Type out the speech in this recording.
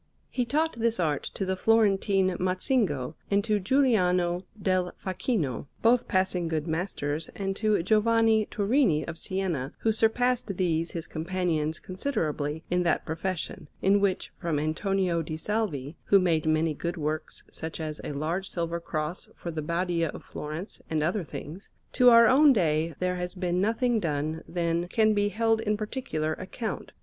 He taught this art to the Florentine Mazzingo and to Giuliano del Facchino, both passing good masters, and to Giovanni Turini of Siena, who surpassed these his companions considerably in that profession, in which, from Antonio di Salvi who made many good works, such as a large silver Cross for the Badia of Florence, and other things to our own day, there has been nothing done than can be held in particular account.